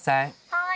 ・はい。